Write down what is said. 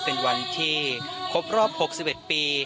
เป็นวันที่ครบรอบ๖๑ปี